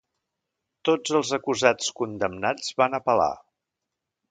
Tots els acusats condemnats van apel·lar.